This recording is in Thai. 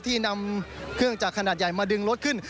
ที่นำเครื่องจักรขนาดใหญ่มาดึงรถขึ้น